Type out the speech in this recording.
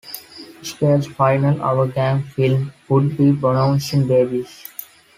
Spear's final "Our Gang" film would be "Bouncing Babies".